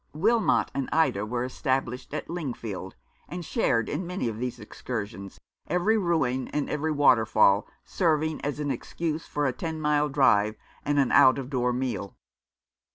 Wilmot and Ida were established at Lingfield, and shared in many of these excursions, every ruin and every waterfall serving as an excuse for a ten mile drive and an out of door meal.